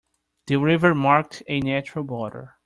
The river marked a natural border.